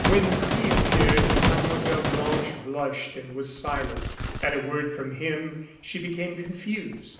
When he appeared, Mlle. Blanche blushed and was silent. At a word from him she became confused.